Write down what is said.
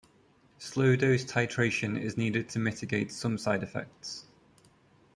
Slow dose titration is needed to mitigate some side effects.